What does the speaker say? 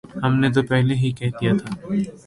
ہم نے تو پہلے ہی کہہ دیا تھا۔